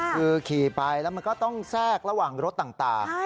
คือขี่ไปแล้วมันก็ต้องแทรกระหว่างรถต่าง